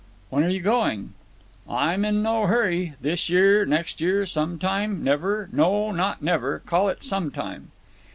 "When are you going?" "I'm in no hurry. This year, next year, some time, never. No, not never. Call it some time."